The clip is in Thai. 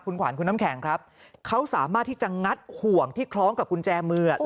คุณขวัญคุณน้ำแข็งครับเขาสามารถที่จะงัดห่วงที่คล้องกับกุญแจมือ